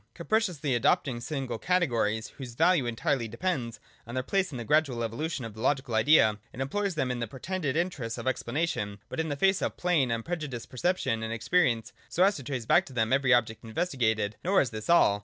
Capriciously adopting single categories, whose value entirely depends on their place in the gradual evolution of the logical idea, it employs them in the pretended interests of explanation, but in the face of plain, unprejudiced percep tion and experience, so as to trace back to them every object investigated. Nor is this all.